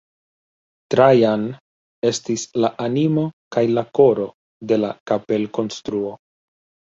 Trajan estis la animo kaj la koro de la kapelkonstruo.